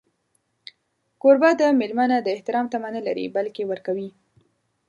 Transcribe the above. کوربه د مېلمه نه د احترام تمه نه لري، بلکې ورکوي.